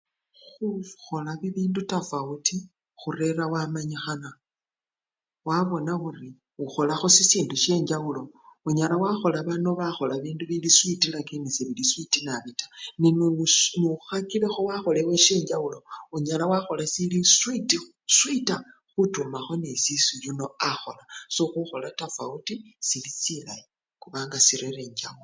Khukhola bibindu tafawuti khurera wamanyikhana wabona khuri okholakho sisindu shenjjawulo unyala wakhola bano bakhola bindu bili switi lakini sebili switi nabi taa ne nuu shi! nukhakilekho wakhola ewe shenjjawulo, onyala wakhola sili switi swiita khutumakho neshesi yuno akhola so khukhola tafawuti sili silayi kubanga sirera enjjawulo.